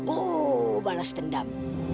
oh balas dendam